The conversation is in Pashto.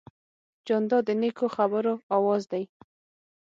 جانداد د نیکو خبرو آواز دی.